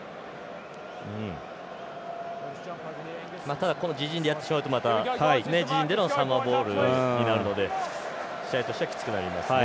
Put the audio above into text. ただこの自陣でやってしまうとまた自陣でのサモアボールになるので試合としてはきつくなりますね。